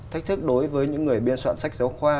thách thức đối với những người biên soạn sách giáo khoa